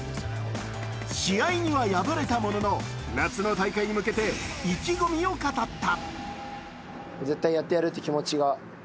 試合には敗れたものの夏の大会に向けて意気込みを語った。